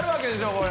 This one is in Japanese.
これ。